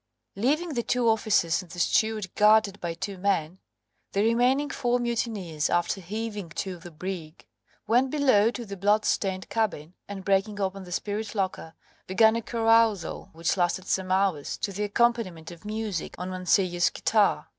Leaving the two officers and the steward guarded by two men, the remaining four mutineers, after heaving to the brig, went below to the bloodstained cabin, and breaking open the spirit locker began a carousal which lasted some hours, to the accompaniment of music on Mancillo's guitar.